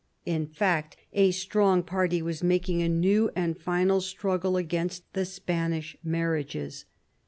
In fact, a strong party was making a new and final struggle against the Spanish marriages.